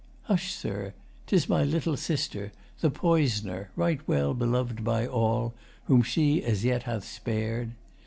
Hush, Sir! 'Tis my little sister The poisoner, right well belov'd by all Whom she as yet hath spared.